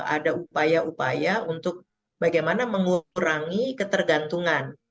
ada upaya upaya untuk bagaimana mengurangi ketergantungan